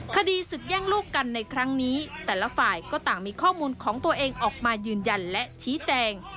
คดีศึกแย่งลูกกันในครั้งนี้แต่ละฝ่ายก็ต่างมีข้อมูลของตัวเองออกมายืนยันและชี้แจง